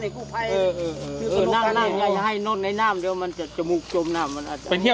ใครทำอะไรอย่างงี้เนี่ย